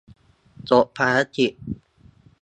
จบภารกิจ